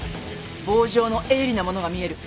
棒状の鋭利なものが見える。